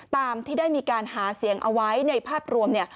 ตามที่ได้มีการหาเสียงเอาไว้ในภาพรวม